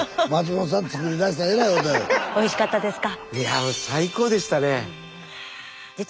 おいしかったですか？